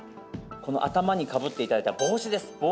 頭にかぶっていただいた帽子です。